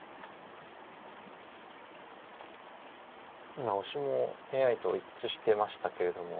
今オシもＡＩと一致してましたけれども。